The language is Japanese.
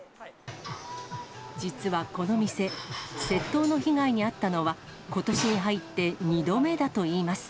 実はこの店、窃盗の被害に遭ったのは、ことしに入って２度目だといいます。